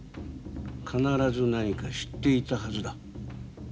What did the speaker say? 必ず何か知っていたはずだ。